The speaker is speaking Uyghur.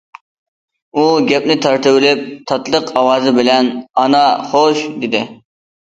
ئۇ گەپنى تارتىۋېلىپ، تاتلىق ئاۋازى بىلەن:--- ئانا، خوش!--- دېدى.